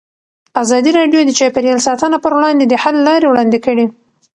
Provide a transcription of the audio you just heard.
ازادي راډیو د چاپیریال ساتنه پر وړاندې د حل لارې وړاندې کړي.